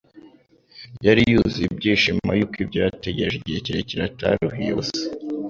yari yuzuye ibyishimo yuko ibyo yategereje igihe kirekire ataruhiye ubusa.